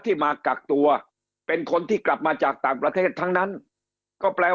มากักตัวเป็นคนที่กลับมาจากต่างประเทศทั้งนั้นก็แปลว่า